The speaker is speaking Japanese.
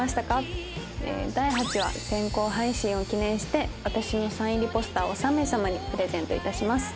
第８話先行配信を記念して私のサイン入りポスターを３名様にプレゼント致します。